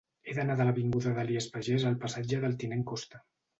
He d'anar de l'avinguda d'Elies Pagès al passatge del Tinent Costa.